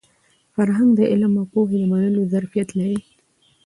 فرهنګ د علم او پوهې د منلو ظرفیت لري.